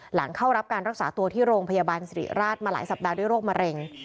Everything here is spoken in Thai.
หลังเข้ารับการรักษาตัวที่โรงพยาบาลสิริราชมาหลายสัปดาห์ด้วยโรคมะเร็ง